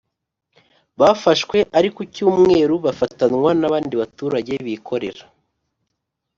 bafashwe ari ku Cyumwru bafatanwa n’abandi baturage bikorera